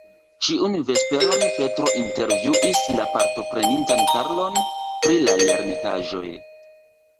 Ĉiun vesperon Petro intervjuis la partoprenintan Karlon pri la lernitaĵoj.